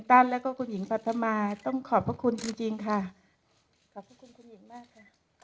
ต้องขอบพระคุณจริงจริงค่ะขอบพระคุณคุณหญิงมากค่ะ